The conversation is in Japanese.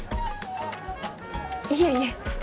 いえいえ。